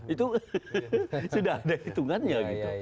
itu sudah ada hitungannya gitu